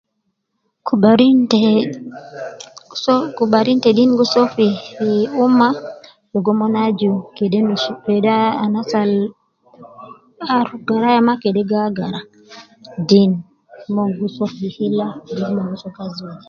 Kubarin te, soo ,kubarin te deen gi soo fi umma ligo mon ajub kede nus, kede ah anas al aruf garaya ma kede gi agara ,deen, mon gi soo fi hilla tena kazi wede